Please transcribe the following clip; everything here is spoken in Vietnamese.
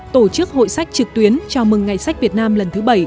tổ chức hội sách trực tuyến chào mừng ngày sách việt nam lần thứ bảy